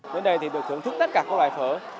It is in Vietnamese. đến đây thì được thưởng thức tất cả các loại phở